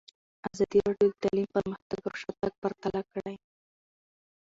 ازادي راډیو د تعلیم پرمختګ او شاتګ پرتله کړی.